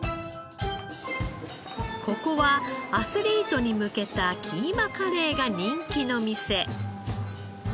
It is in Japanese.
ここはアスリートに向けたキーマカレーが人気の店。